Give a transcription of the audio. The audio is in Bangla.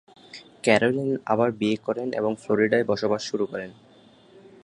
ক্যারোলিন আবার বিয়ে করেন এবং ফ্লোরিডায় বসবাস শুরু করেন।